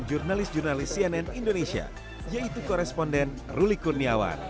jurnalis jurnalis cnn indonesia yaitu koresponden ruli kurniawan